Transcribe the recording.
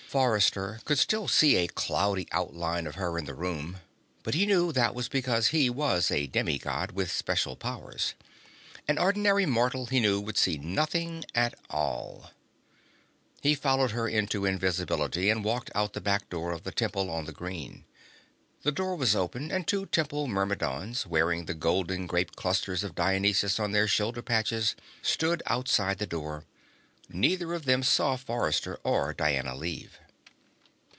Forrester could still see a cloudy outline of her in the room, but he knew that was because he was a demi God, with special powers. An ordinary mortal, he knew, would see nothing at all. He followed her into invisibility and walked out the back door of the Temple on the Green. The door was open and two Temple Myrmidons, wearing the golden grape clusters of Dionysus on their shoulder patches, stood outside the door. Neither of them saw Forrester and Diana leave.